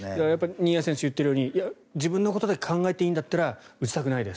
新谷選手が言っているように自分のことだけ考えていいんだったら打ちたくないです。